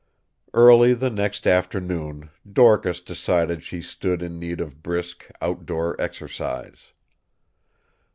Early the next afternoon Dorcas decided she stood in need of brisk, outdoor exercise.